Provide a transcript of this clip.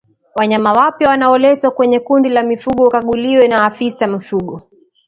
Wanyama wapya wanaoletwa kwenye kundi la mifugo wakaguliwe na afisa mifugo